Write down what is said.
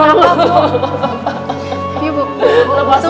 mari tunggu di luar bu